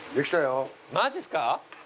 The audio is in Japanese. マジすか？